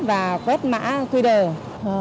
và quét mã qr